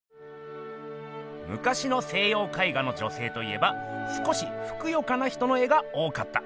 むかしの西よう絵画の女性といえば少しふくよかな人の絵が多かった。